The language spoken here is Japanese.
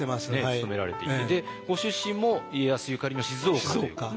務められていてでご出身も家康ゆかりの静岡ということで。